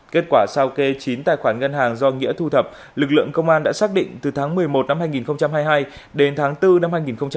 kết quả sao kê chín tài khoản ngân hàng do nghĩa thu thập lực lượng công an đã xác định từ tháng một mươi một năm hai nghìn hai mươi hai đến tháng bốn năm hai nghìn hai mươi ba